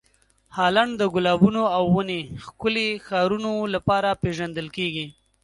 هالنډ د ګلابونو او ونې ښکلې ښارونو لپاره پېژندل کیږي.